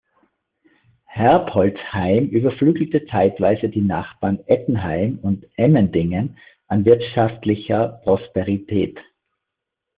Herbolzheim überflügelte zeitweise die Nachbarn Ettenheim und Emmendingen an wirtschaftlicher Prosperität.